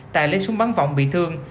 tài lấy súng bắn vọng bị thương